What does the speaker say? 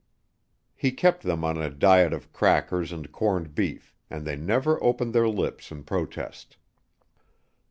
He kept them on a diet of crackers and corned beef and they never opened their lips in protest.